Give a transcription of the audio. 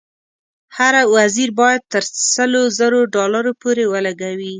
هر وزیر باید تر سلو زرو ډالرو پورې ولګوي.